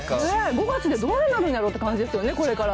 ５月でどうなるんだろうって感じですよね、これから。